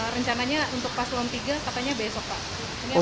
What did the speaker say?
rencananya untuk paslon tiga katanya besok pak